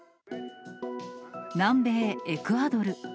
南米エクアドル。